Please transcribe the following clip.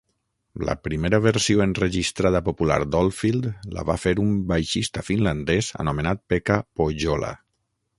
La primera versió enregistrada popular d'Oldfield la var fer un baixista finlandès anomenat Pekka Pohjola.